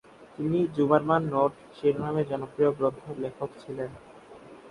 তিনি ‘জুমারমান নোট’ শিরোনামে জনপ্রিয় গ্রন্থের লেখক ছিলেন।